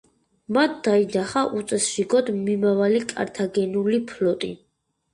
მან დაინახა უწესრიგოდ მიმავალი კართაგენული ფლოტი.